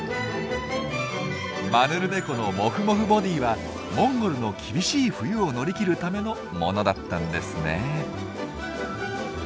マヌルネコのモフモフボディーはモンゴルの厳しい冬を乗り切るためのものだったんですね。